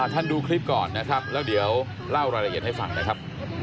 ท่านดูคลิปก่อนนะครับแล้วเดี๋ยวเล่ารายละเอียดให้ฟังนะครับ